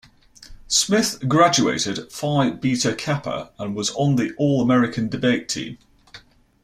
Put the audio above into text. Smith graduated Phi Beta Kappa and was on the All-American Debate Team.